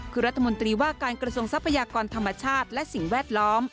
คือรัฐมนตรีว่าการกระทรวงทรัพยากรธรรมชาติและสิ่งแวดล้อม